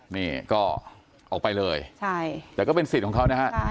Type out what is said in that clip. นี่ก็ออกไปเลยใช่แต่ก็เป็นสิทธิ์ของเขานะฮะ